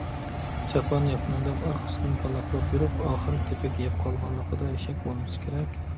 «چاپان ياپىمەن» دەپ ئارقىسىدىن پالاقلاپ يۈرۈپ، ئاخىر «تېپىك يەپ قالغان»لىقىدا شەك بولمىسا كېرەك.